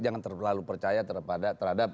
jangan terlalu percaya terhadap